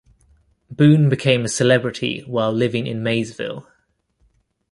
Boone became a celebrity while living in Maysville.